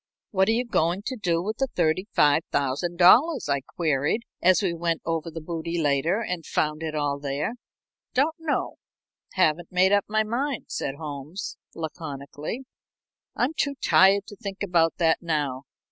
"What are you going to do with the $35,000?" I queried, as we went over the booty later and found it all there. "Don't know haven't made up my mind," said Holmes, laconically. "I'm too tired to think about that now.